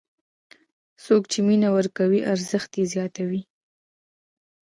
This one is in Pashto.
څوک چې مینه ورکوي، ارزښت یې زیاتوي.